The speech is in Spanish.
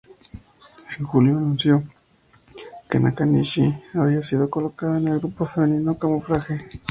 En julio, se anunció que Nakanishi había sido colocada en el grupo femenino Camuflaje.